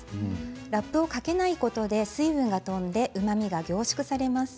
ラップをかけないことで水分が飛んでうまみが凝縮されます。